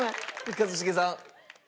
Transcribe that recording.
一茂さん。